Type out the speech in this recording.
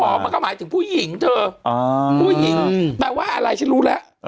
มันก็หมายถึงผู้หญิงเธอผู้หญิงแปลว่าอะไรฉันรู้แล้ว